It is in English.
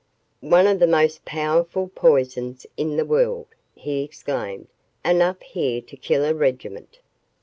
"One of the most powerful poisons in the world!" he exclaimed. "Enough here to kill a regiment!"